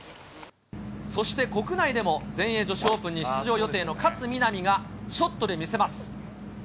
そして国内でも全英女子オープンに出場予定の勝みなみがショットで見せます。